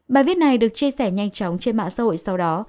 bài viết này được chia sẻ nhanh chóng trên mạng xã hội sau đó